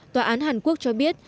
tòa án hàn quốc cho biết